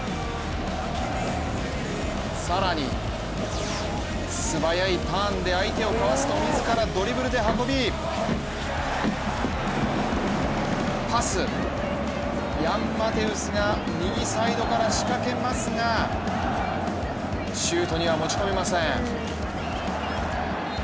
更に素早いターンで相手をかわすとパス、ヤン・マテウスが右サイドから仕掛けますがシュートには持ち込めません。